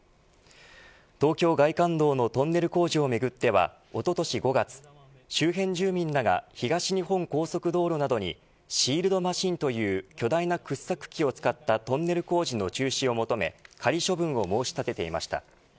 東京外環道のトンネル工事をめぐってはおととし５月周辺住民らが東日本高速道路などにシールドマシンという巨大な掘削機を使ったトンネル工事の中止を求め仮処分を申し立てていました。